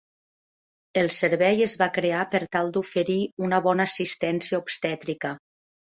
El servei es va crear per tal d'oferir una bona assistència obstètrica.